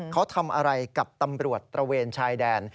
เขาทำอะไรกับตำรวจตระเวนชายแดน